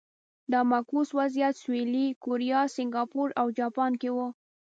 دا معکوس وضعیت سویلي کوریا، سینګاپور او جاپان کې و.